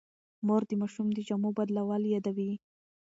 مور د ماشوم د جامو بدلول یادوي.